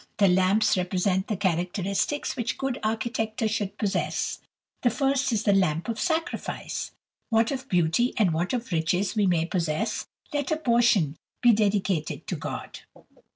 The "lamps" represent the characteristics which good architecture should possess. The first is the Lamp of Sacrifice: "What of beauty and what of riches we may possess, let a portion be dedicated to God.